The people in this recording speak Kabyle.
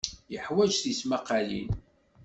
Yeḥwaj tismaqqalin.